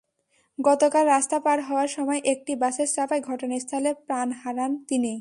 গতকাল রাস্তা পার হওয়ার সময় একটি বাসের চাপায় ঘটনাস্থলে প্রাণ হারান তিনি।